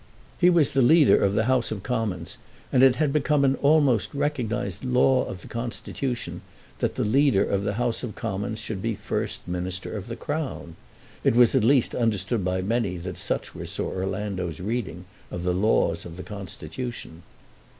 He was the Leader of the House of Commons, and it had become an almost recognised law of the Constitution that the Leader of the House of Commons should be the First Minister of the Crown. It was at least understood by many that such was Sir Orlando's reading of the laws of the Constitution.